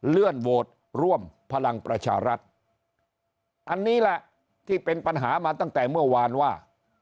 เลื่อนโหวตร่วมพลังประชารัฐอันนี้แหละที่เป็นปัญหามาตั้งแต่เมื่อวานว่า